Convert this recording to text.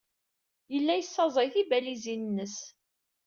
Yella yessaẓay tibalizin-nnes.